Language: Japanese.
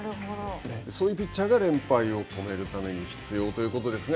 そういうピッチャーが連敗を止めるために必要ということですね。